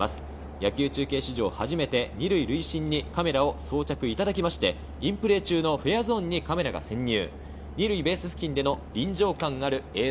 野球中継史上初めて２塁塁審にカメラを装着いただき、インプレー中のフェアゾーンにカメラが潜入。